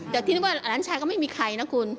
แต่ที่นึกว่าหลานชายก็ไม่มีใครนะคุณ